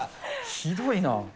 ひどいな。